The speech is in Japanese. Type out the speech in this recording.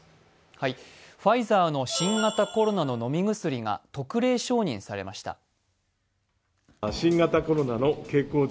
ファイザーの新型コロナの飲み薬が特例承認されました。